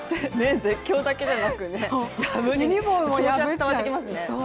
絶叫だけじゃなくてね、破る気持ちは伝わってきますね。